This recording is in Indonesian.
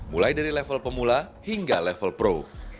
mulai dari level pemula hingga level pro